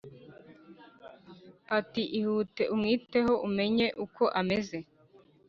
ati"ihute umwiteho umenye uko ameze